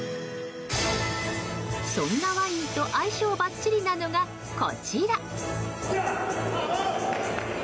そんなワインと相性ばっちりなのが、こちら。